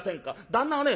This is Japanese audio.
旦那はね